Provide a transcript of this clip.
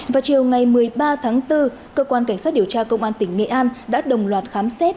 vào chiều ngày một mươi ba tháng bốn cơ quan cảnh sát điều tra công an tỉnh nghệ an đã đồng loạt khám xét